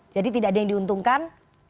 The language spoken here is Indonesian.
jadi tidak ada yang diuntungkan